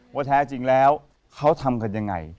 แท้จริงแล้วเขาทำกันยังไง